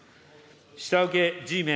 下請Ｇメン